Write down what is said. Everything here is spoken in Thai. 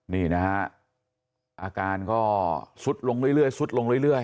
นี่นะฮะอาการก็สุดลงเรื่อยสุดลงเรื่อย